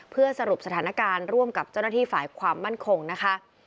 เพื่อสรุปสถานการณ์ร่วมกับเจ้าหน้าที่ฝ่ายความมั่นคงนะคะ